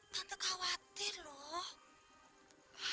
tante khawatir loh